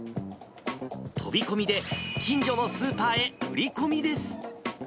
飛び込みで近所のスーパーへ売り込みです。